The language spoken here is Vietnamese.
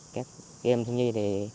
các em thiên nhiên thì